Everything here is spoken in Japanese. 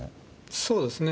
そうですね。